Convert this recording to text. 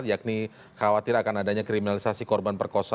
yakni khawatir akan adanya kriminalisasi korban perkosaan